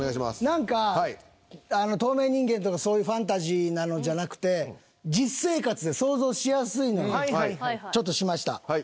何か透明人間とかそういうファンタジーなのじゃなくて実生活で想像しやすいのにちょっとしました。